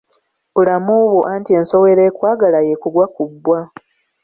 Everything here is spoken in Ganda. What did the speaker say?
Bulamu bwo anti, ensowera ekwagala y'ekugwa ku bbwa.